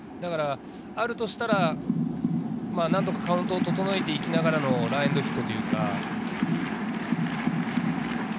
あるとしたらカウントを整えていきながらのランエンドヒット。